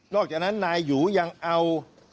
อกจากนั้นนายหยูยังเอา